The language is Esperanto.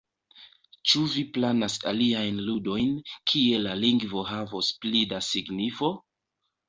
Ĉu vi planas aliajn ludojn, kie la lingvo havos pli da signifo?